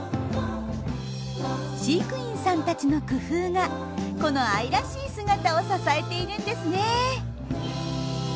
飼育員さんたちの工夫がこの愛らしい姿を支えているんですね。